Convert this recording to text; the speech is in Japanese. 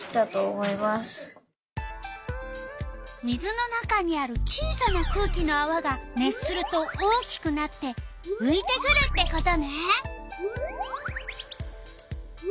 水の中にある小さな空気のあわが熱すると大きくなってういてくるってことね。